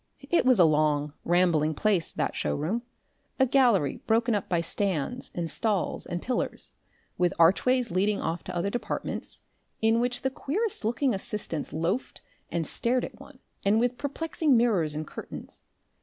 It was a long, rambling place, that show room, a gallery broken up by stands and stalls and pillars, with archways leading off to other departments, in which the queerest looking assistants loafed and stared at one, and with perplexing mirrors and curtains.